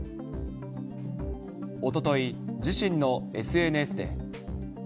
おととい、自身のＳＮＳで。